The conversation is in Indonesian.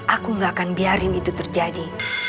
aku gak akan biarin itu terjadi